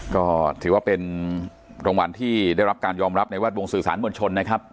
ก็ถือว่าเป็นรางวัลที่ได้รับการยอมรับในแวดวงสื่อสารมวลชนนะครับ